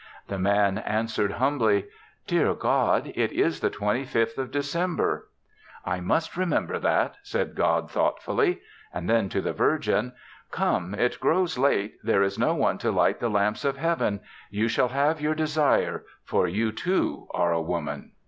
The Man answered humbly. "Dear God, it is the twenty fifth of December." "I must remember that," said God thoughtfully. And then to the Virgin, "Come. It grows late. There is no one to light the lamps of Heaven. You shall have your desire; for you, too, are a woman."